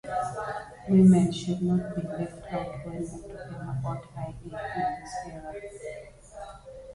Herder also fostered the ideal of a person's individuality.